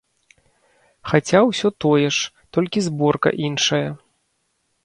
Хаця ўсё тое ж, толькі зборка іншая.